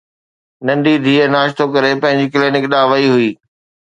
ننڍي ڌيءَ ناشتو ڪري پنهنجي ڪلينڪ ڏانهن وئي هئي